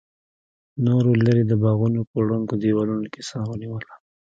نورو لرې د باغونو په ړنګو دیوالونو کې سا ونیوله.